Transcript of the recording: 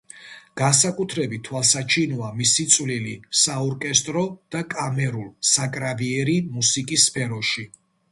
განსაკუთრებით თვალსაჩინოა მისი წვლილი საორკესტრო და კამერულ-საკრავიერი მუსიკის სფეროში.